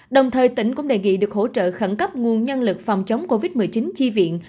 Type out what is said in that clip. đồng thời tỉnh cũng đề nghị được hỗ trợ khẩn cấp nguồn nhân lực phòng chống covid một mươi chín chi viện